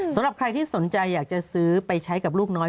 สำหรับใครที่สนใจอยากจะซื้อไปใช้กับลูกน้อย